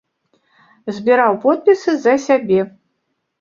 Збіраў подпісы за сябе.